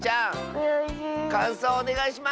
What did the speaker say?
かんそうをおねがいします！